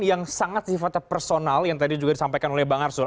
yang sangat sifatnya personal yang tadi juga disampaikan oleh bang arsul